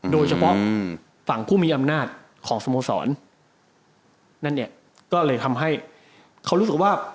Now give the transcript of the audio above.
โดยเฉพาะฝั่งผู้มีอำนาจของสโมสรนั่นเนี่ยก็เลยทำให้เขารู้สึกว่า